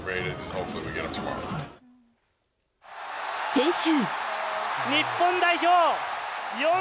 先週。